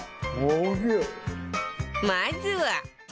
まずは